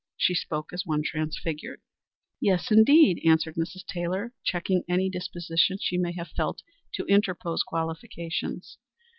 She spoke as one transfigured. "Yes, indeed," answered Mrs. Taylor, checking any disposition she may have felt to interpose qualifications.